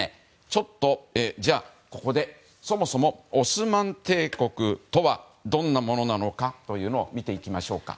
ちょっと、ここでそもそもオスマン帝国とはどんなものなのかというのを見ていきましょうか。